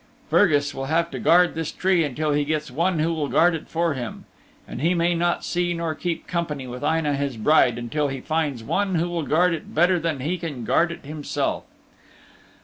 Fergus will have to guard this tree until he gets one who will guard it for him. And he may not see nor keep company with Aine' his bride until he finds one who will guard it better than he can guard it himself."